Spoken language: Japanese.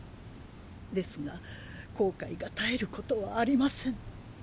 ですが後悔が絶えることはありません。